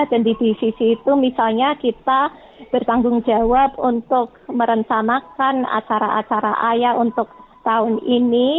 dan di divisi itu misalnya kita bertanggung jawab untuk merenamakan acara acara aya untuk tahun ini